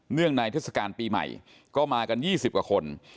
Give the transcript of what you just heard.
งในเทศกาลปีใหม่ก็มากัน๒๐กว่าคน